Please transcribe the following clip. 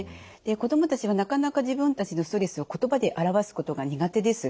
子どもたちはなかなか自分たちのストレスを言葉で表すことが苦手です。